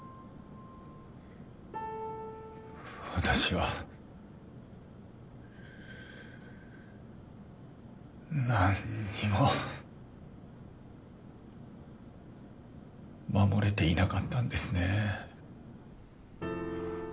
私は何も守れていなかったんですね。